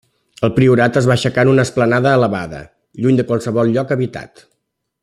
El priorat es va aixecar en una esplanada elevada, lluny de qualsevol lloc habitat.